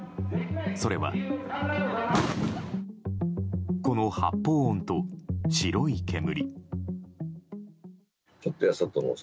それはこの発砲音と白い煙。